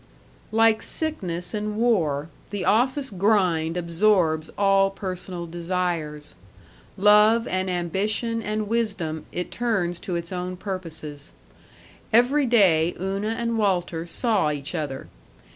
§ 3 Like sickness and war, the office grind absorbs all personal desires. Love and ambition and wisdom it turns to its own purposes. Every day Una and Walter saw each other.